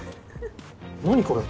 何これ？